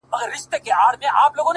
شعار خو نه لرم له باده سره شپې نه كوم”